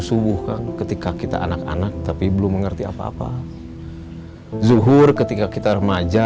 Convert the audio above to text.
subuh kan ketika kita anak anak tapi belum mengerti apa apa zuhur ketika kita remaja